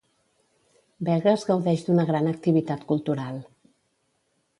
Begues gaudeix d'una gran activitat cultural.